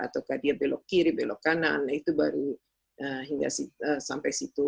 ataukah dia belok kiri belok kanan nah itu baru sampai situ